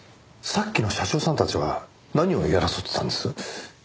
さっきの社長さんたちは何を言い争ってたんです？